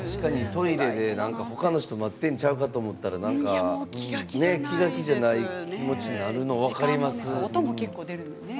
トイレで他の人が待っているんちゃうかと思ったら気が気じゃない気持ちになるの分かります。